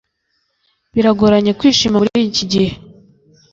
biragoranye kwishima muri iki gihe